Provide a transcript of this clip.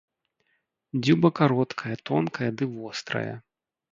Дзюба кароткая, тонкая ды вострая.